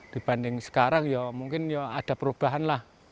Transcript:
dibanding sekarang ya mungkin ya ada perubahan lah